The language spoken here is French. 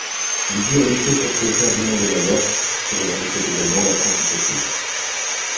Ils durent lutter contre Ferdinand de Majorque, qui revendiquait également la principauté.